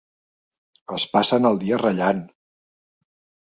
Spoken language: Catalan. Es passen el dia rallant.